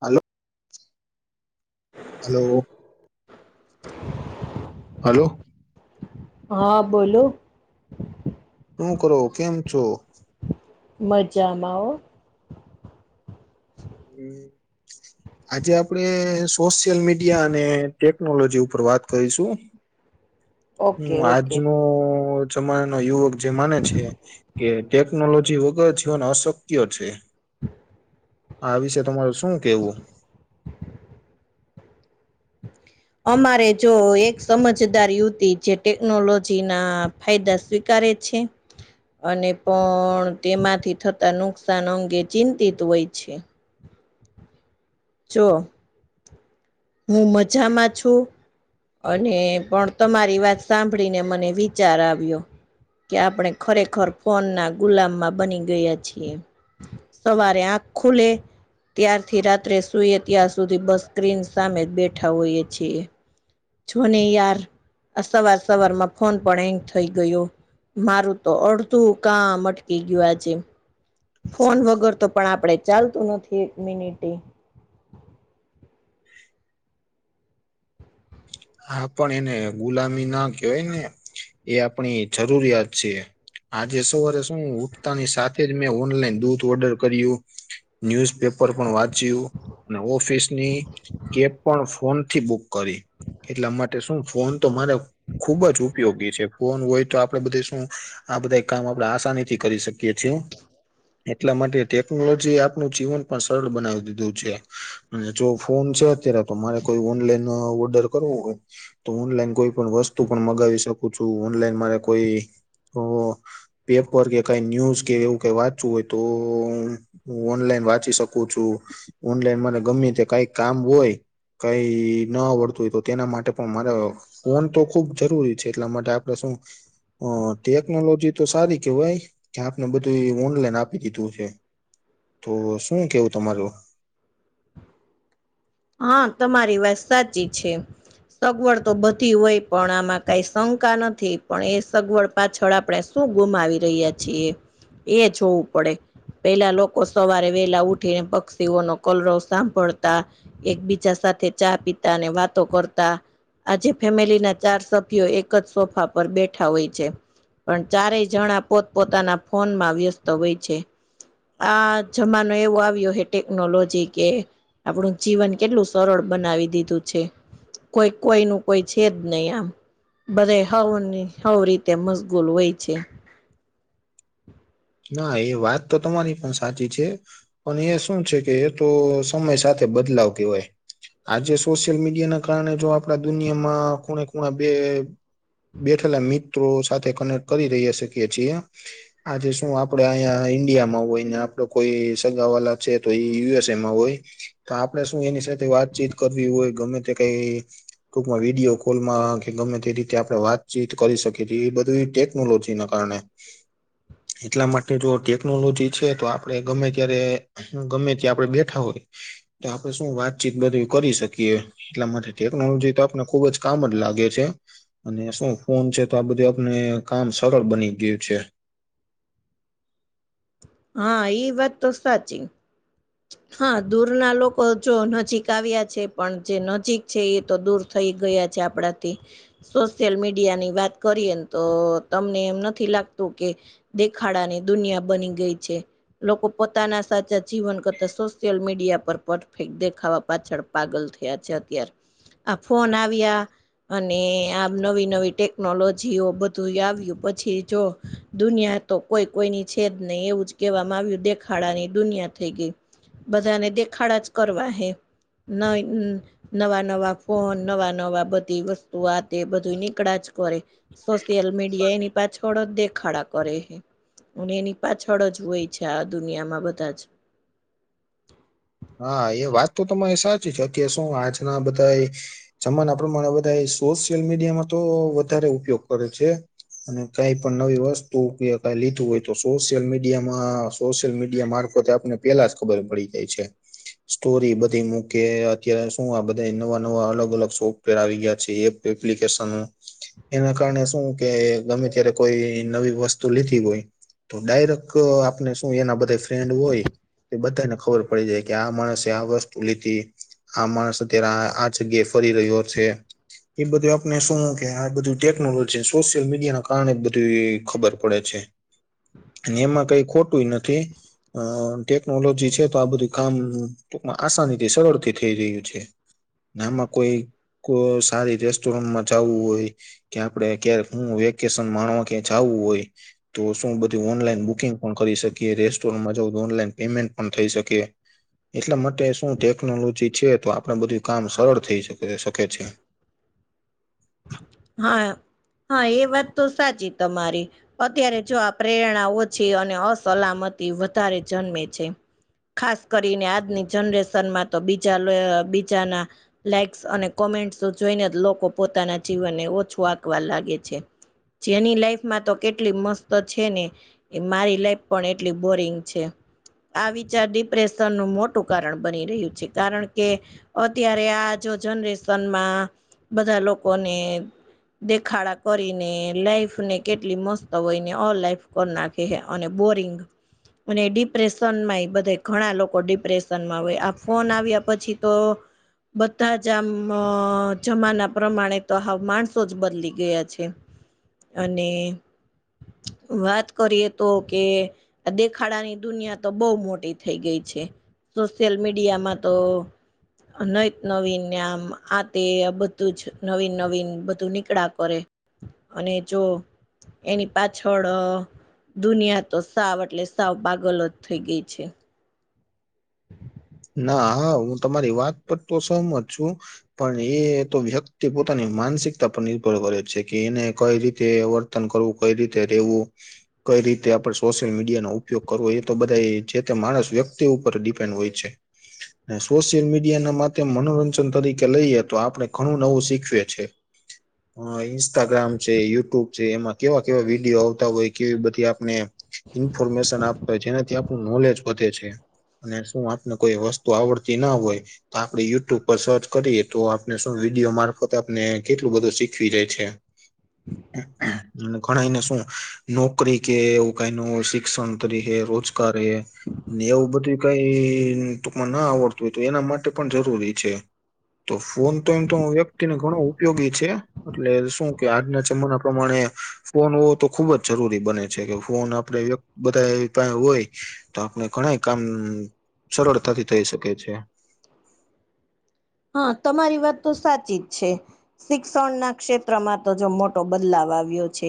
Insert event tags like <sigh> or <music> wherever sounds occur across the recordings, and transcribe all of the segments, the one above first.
Hello hello hello હા બોલો શું કરો કેમ છો. મજામા હમ્મ આજે આપણેે સોશિયલ મીડિયા અને ટેકનોલોજી ઉપર વાત કરીશું હુ ઓકે ઓકે આજનો જમાય ના યુવક જે માને છે કે ટેકનોલોજી વગર જીવન અશક્ય છે. આ વિશે તમારું શું કેવું અમારે જો એક સમજદાર યુવતી જે ટેકનોલોજી ના ફાયદા સ્વી કરે છે. અને પણ તેમાંથી થતા નુકસાન અંગે ચિંતિત હોય છે. જો હું મજામાં છુ. અને પણ તમારી વાત સાંભળીને મને વિચાર આવ્યો કે આપણે ખરેખર ફોન ના ગુલામમાં બની ગયા છીએ. સવારે આંખ ખુલે ત્યારથી રાત્રે સુ સુઈએ ત્યાં સુધી બસ સ્ક્રીન સામે જ બેઠા હોઈએ છીએ. જો ને યાર આ સવાર સવાર માં ફોન પણ એેંગ થઈ ગયો મારું તો અડધું કા મટકી ગયું આ જેમ ફોન વગર તો પણ આપડણે ચાલતું નથી એક મિનિટે હા પણ એને ગુલામી ના કહેવાય ને એ આપણી જરૂરિયાત છે. આજે સવારે શું ઉઠતાની સાથે જ મેં ઓનલાઈન દૂધ ઓર્ડર કર્યું ન્યુઝ પેપર પણ વાત અને ઓફિસની કેબ પણ ફોન થી બુક કરી એટલા માટે શું ફોન તો મારે ખુબ જ ઉપયોગી છે, ફોન હોય તો આપડે બધે શું આ બધા કામ આપણેે આસાની થી કરી શકીએીએ એટલા માટે ટેકનોલોજી એ આપણું જીવન પણ સરળ બનાવી દીધું છે અને જો ફોન છે અત્યારે તો મારે કોઈ ઓનલાઈન ઓર્ડર ઓનલાઈન કોઈ પણ વસ્તુ પણ મગાવી શ ઓછું ઓનલાઈન મા કોઈ પેપર કે કઈ ન્યૂઝ કે એવું કઈ વાચવું હોય, તો હું ઓનલાઈન વાંચી શકું છુ. ઓનલાઈન મને ગમે તે કઈ કામ હોય કઈ ન આવડતું હોય, તો તેના માટે પણ મારે ફોન તો ખુબ જરૂરી છે એટલા માટે આપડ શું હ ટેકનોલોજી તો સારી કેવાય કે આપને બધું એ ઓનલાઈન આપી દીધું છે તો શું કેવું તમારું હા તમારી વાત સાચી છે સગવડ તો બધી હોય પણ આમાં કઈ શંકા નથી પણ એ સગવડ પાછળ આપણે શું ગુમાવી રહ્યા છીએ એ જોવું પડે પેલા લોકો સવારે વેલા ઉઠીને પક્ષીઓનો કલરોવ સાંભળતા એકબીજા સાથે ચા પીતા અને વાતો કરતા આજે ફેમિલી ના ચાર સભ્યો એક જ સોફા પર બેઠા હોય છે પણ ચારેય જણા પોત પોતાના ફોન માં વ્યસ્ત હોય છે આ જમાનો એવો આવ્યો હ ટેકનોલોજી કે આપણું જીવન કેટલું સરળ બનાવી દીધું છે કોઈ કોઈ ન કોઈ છે જ નહી આમ બધા હવ હવ રીતે મશગૂલ હોય છે ના એ વાત તો તમારી પણ સાચી છે પણ એ શું છે કે એ તો સમય સાથે બદલાવ કહેવાય આજે સોશિયલ મીડિયાના કારણે જો આપડા દુનિયામાં ખૂણે ખૂણા બે. બેઠેલા મિત્રો સાથે કનેક્ટ કરી રહ્યા શકીએ છીએ આજે. શું આપડે અહીંયા ઈન્ડિયામાં હોય ને આપડ કોઈ સગા વાલા છે તો એ યુએસએમાં હોય. તો આપડે શું એની સાથે વાતચીત કરવી હોય ગમે તે કઈ ટૂકમાં વિડીયો કોલમાં કે ગમે તે રીતે આપણે વાતચીત કરી શકીએ છીએ એ બધું ટેકનોલોજીના કારણે એટલા માટે જો ટેકનોલોજી છે તો આપડે ગમે ત્યારે ગમે ત્યા આપડે બેઠા હોય તો આપડણે શું વાતચીત બધું કરી શકીએ એટલા માટે ટેકનોલોજી તો આપને ખુબ જ કામ જ લાગે છે અને શું ફોન છે તો આ બધું આપને કામ સરળ બની ગયું છે હા એ વાત તો સાચી હા દૂર ના લોકો જો નજીક આવ્યા છે પણ જે નજીક છે એ તો દૂર થઈ ગયા છે આપણાથી સોશિયલ મીડિયા ની વાત કરીએ ને તો તમને એમ નથી લાગતું કે દેખાડાની દુનિયા બની ગઈ છે લોકો પોતાના સાચા જીવન કર સોશિયલ મીડિયા પર પરફેક્ટ દેખાવા પાછળ પાગલ થયા છે અત્યારે આ ફોન આવ્યા. અને આ નવી નવી ટેકનોલોજીઓ બધું આવ્યું પછી જો દુનિયા. તો કોઈ કોઈની છેદ નહી એવું જ કહેવામાં આવ્યું દેખાડા ની દુનિયા થઈ ગઈ. બધાને દેખાડા જ કરવા હે. ન નવા નવા ફોન નવા નવા બધી વસ્તુ. આ તે બધું નીકળ જ કરે સોશિયલ મીડિયા એની પાછળ. ડ જ દેખાડા કરે છે અને એની પાછળ જ હોય છે આ દુનિયામાં બધા જ. હા એ વાત તો તમારી સાચી છેત શું આજના બધા. જમાના પ્રમાણે બધા એ સોશિયલ મીડિયામાં તો વધારે ઉપયોગ કરે છે. અને કઈ પણ નવી વસ્તુ કે ક લીધું હોય તો સોશિયલ મીડિયામાં સોશિયલ મીડિયા મારફતે આપ. ને પેલા જ ખબર પડી જાય છે. સ્ટોરી બધી મૂકે અત્યારે શું આ બધા નવા નવા અલગ અલગ સોફ્ટવેર આવી ગયા છે એપ. એપ્લિકેશન. એના કારણે શું કે ગમે ત્યારે કોઈ નવી વસ્તુ લીધી હોય. તો ડાયરેક્ટ આપને શું એના બધા ફ્રેન્ડ હોય એ બધાને ખબર પડી જાય. કે આ માણસે આ વસ્તુ લીધી આ માણસ અત્યારે આ જગ્યાએ ફરી રહ્યો છે. એ બધું આપને શું કે આ બધું ટેકનોલોજી સોશિયલ મીડિયા ના કારણે બધી ખબર પડે છે. એમાં કઈ ખોટું નથી અ ટેકનોલોજી છે તો આ બધી. કામ ટૂકમાં આસાનીથી સરળથી થઈ રહ્યું છે. ના આમાં કોઈ સારી રેસ્ટોરન્ટમાં જવું હોય. કે આપડે ક હું વેકેશન માણવા ક્યા જાવવું હોય. તો શું બધું ઓનલાઈન બુકિંગ પણ કરી શકીએ રેસ્ટોરન્ટમાં જઉું તો ઓનલાઈન પેમેન્ટ પણ થઇ શકી. એટલા માટે શું ટેકનોલોજી છે તો આપડ બધું કામ સરળ થઈકે શકે છે. હા હા એ વાત તો સાચી તમારી અત્યારે જો આ પ્રેરણા ઓછી અને અસલામતી વધારે જન્મે છે. ખાસ કરીને આજની જનરેશન માં તો બીજા બીજાના. લાઈક્સ અને કોમેન્ટ્સ જોઈને જ લોકો પોતાના જીવનને ઓછું આકવા લાગે છે. જેની લાઈફમાં તો કેટલી મસ્ત છે ને. એ મારી લાઈફ પણ એટલી બોરિંગ છે. આ વિચાર ડિપ્રેશનનું મોટું કારણ બની રહ્યું છે કારણ કે અત્યારે આ જો જનરેશનમાં બધા લોકોને દેખાડા કરીને લાઈફ ને કેટલી મસ્ત હોયને અ લાઈફ કરી નાખી અને બોરિંગ અને ડિપ્રેશનમાં એ બધા ઘણા લોકો ડિપ્રેશનમાં હોય આ ફોન આવ્યા પછી તો બધા જ આમ જમાના પ્રમાણે તો હા માણસો જ બદલી ગયા છે અને વાત કરીએ તો કે આ દેખાડાની દુનિયા તો બહુ મોટી થઈ ગઈ છે. સોશિયલ મીડિયા માં તો નૈત નવીન નામ આ તે આ બધું છે. નવીન નવીન બધું નીકળા કરે અને જો એની પાછળ દુનિયા તો સાવ એટલે સાવ પાગલ જ થઈ ગઈ છે. ના હા હું તમારી વાત પર તો સહમજ છુ. પણ એ તો વ્યક્તિ પોતાની માનસિકતા પર નિર્ભર કરે છે કે એને કઈ રીતે તન કરવું કઈ રીતે ર રહેવુ કઈ રીતે આપણે સોશિયલ મીડિયાનોો ઉપયોગ કરવો એ તો બધા જે તે માણસ વ્યક્તિ ઉપર ડિપેન્ડ હોય છે. એ સોશિયલ મીડિયા ના મા મનોરંજન તરીકે લઈએ તો આપણે ઘણું નવું શીખવીએ છે. અ ઇન્સ્ટાગ્રામ છે યુટ્યુબ છે એમાં કેવા કેવા વિડીયો આવતા હોય કેવી બધી આપને ઈન્ફોર્મેશન આપતા હોય, જેનાથી આપણું નોલેજ વધે છે અને શું ને કોઈ વસ્તુ આવડતી ના હોય. તો આપડે યુટ્યુબ પર સર્ચ કરીએ તો આપણે શું વિડીયો મારફત આપને કેટલું બધું શીખવી જાય છે. અને ઘણ એને શું નોકરી કે એવું કઈ ન શિક્ષણ તરીકે રોજ ને એવું બધી કઈ ટૂંકમાં ના આવડતું હોય તો એના માટે પણ જરૂરી છે. તો ફોન તો એમ તો વ્યક્તિને ઘણો ઉપયોગી છે. એટલે શું કે આજના જમના પ્રમાણે ફોન હોવો તો ખુબ જ જરૂરી બને છે કે ફોન આપડ બધા પા હોય. તો આપણે ઘણ કામ સરળતાથી થઈ શકે છે. હા તમારી વાત તો સાચી જ છે. શિક્ષણ ના ક્ષેત્રમાં તો જો મોટો બદલાવ આવ્યો છે.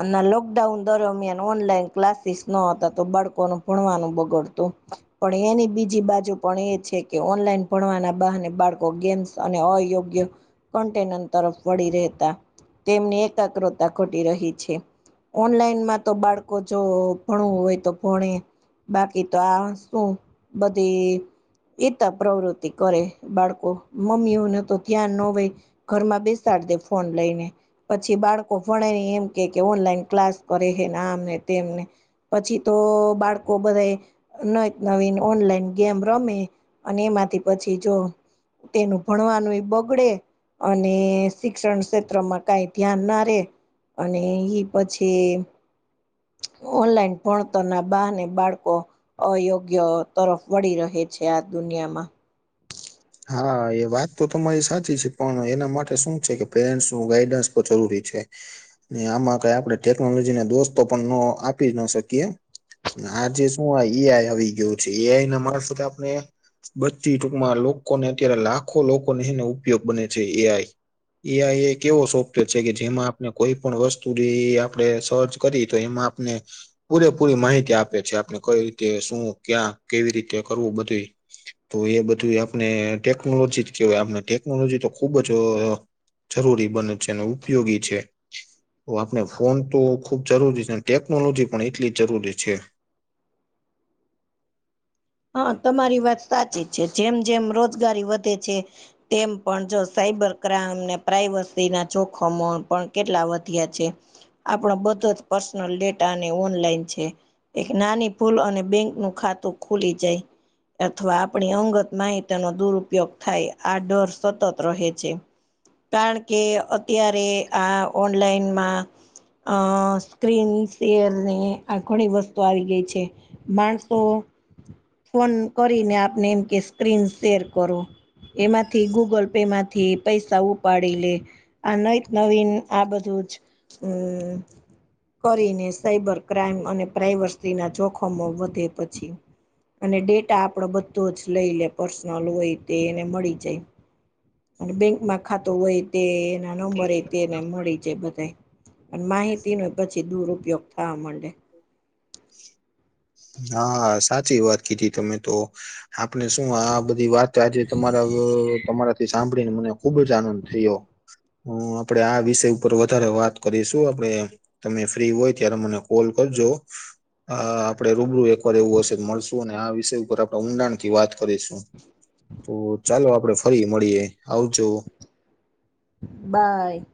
અને લોકડાઉન દરમિયાન ઓનલાઈન ક્લાસીસ નતા તો બાળકોને ભણવાનું બગડતું પણ એની બીજી બાજુ પણ એ છે કે ઓનલાઈન ભણવાના બહને બાળકો ગેમસ અને અયોગ્ય કન્ટેનર તરફ વળી રહેતા તેમની એકાગ્રતા ખોટી રહી છે. ઓનલાઈનમાં તો બાળકો જો ભણું હોય તો ભણે બાકી તો આ શું બધી ઈતા પ્રવૃતિ કરે બાળકો મમ્મીઓને તો ધ્યાન ન હોય ઘરમાં બેસાડ દે ફોન લઈને પછી બાળકો ભણે એમ કે કે ઓનલાઈન ક્લાસ કરે છેને આમને તેમને પછી તો બાળકો બધ ન નવીન ઓનલાઈન ગેમ રમે અને એમાંથી પછી જો તેનું ભણવાનું એ બગડે અને શિક્ષણ ક્ષેત્રમાં કાઈ ધ્યાન ના રે અને એ પછી ઓનલાઈન ભણતોર ના બાને બાળકો અયોગ્ય તરફ વળી રહે છે આ દુનિયામાં હા એ વાત તો તમારી સાચી છે પણ એના માટે શું છે કે પેરેન્ટ્સ નું ગાઈડન્સ <unintelligible> ને આમાં કઈ આપણે ટેકનોલોજી ના દોસ્તો પણ ન આપી જ ન શકીએ. આજે શું આ એઆઈ આવી ગયું છે એઆઈને માર સુધ આપને બધી ટૂંકમાં લોકોને અત્યારે લાખો લોકોને એનો ઉપયોગ બને છે એ આઈ એઆઇ એક એવો સોફ્ટવેર છે કે જેમાં આપણે કોઈ પણ વસ્તુ આપે સર્ચ કરી તો એમાં <unintelligible> પૂરેપૂરી માહિતી આપે છે આપણે કઈ રીતે શું ક્યાં કેવી રીતે કરવું બધું ઈ તો એ બધું આપને ટેકનોલોજી જ કેહેવાય આપને ટેકનોલોજી તો ખુબ જ જરૂરી બને છે અને ઉપયોગી છે. તો આપણે ફોન તો ખુબ જરૂરી છે ટેકનોલોજી પણ એટલી જરૂરી છે. હા તમારી વાત સાચી જ છે જેમ જેમ રોજગારી વધે છે તેમ પણ જો સાઈબર ક્રાઈમને પ્રાઈવસી ના જોખમો પણ કેટલા વધ્યા છે. આપણાો બધો જ પર્સનલ ડેટા અને ઓનલાઈન છે એક નાની ભૂલ અને બેંક ન ખાતું ખુલી જાય. અથવા આપણી અંગત માહિત્યનો દુરપયોગ થાય આ ડર સતત રહે છે. કારણ કે અત્યારે આ ઓનલાઈનમાં અ સ્ક્રીન ફેર ની આ ઘણી વસ્તુ આવી ગઈ છે. માણસો ફોન કરીને આપને એમ કે સ્ક્રીન શેર કરો એમાંથી ગૂગલ એમાંથી પૈસા ઉપાડી લે આ નવી નવીન આ બધું જ હમ્મ કરીને સાઈબર ક્રાઈમ અને પ્રાઈવર્સી ના જોખમો વધે પછી અને ડેટા આપડો બધો જ લઈ લે પર્સનલ હોય તે એને મળી જાય. અને બેંકમાં ખાતું હોય તે ના નંબર એ તેને મળી જ બધા પણ માહિતી ન પછી દુરપયોગ થવા માંડે. હા સાચી વાત કીધી તમે તો. આપણે શું આ બધી વાત આજે તમારા તમારાથી સાંભળીને મને ખુબ જ આનંદ થયો. હ આપડે આ વિષય ઉપર વધારે વાત કરીશું આપડે તમે ફ્રી હોય ત્યારે મને કોલ કરજો અ આપડે રૂબરૂ આપડે એવું હશે મળશું અને આ વિષય ઉપર આપણે ઊંડાણ થી વાત કરીશું તો ચાલો આપડે ફરી મળીએ આવજો. બાય.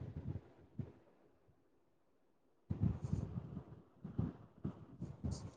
<inaudible>